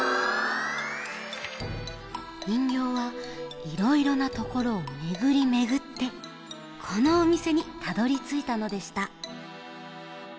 にんぎょうはいろいろなところをめぐりめぐってこのおみせにたどりついたのでした。